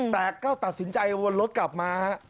แต่ก็ตัดสินใจวนรถกลับมาฮะ